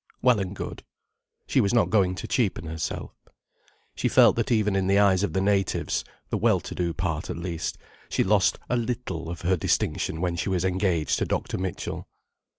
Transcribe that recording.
Well and good. She was not going to cheapen herself. She felt that even in the eyes of the natives—the well to do part, at least—she lost a little of her distinction when she was engaged to Dr. Mitchell.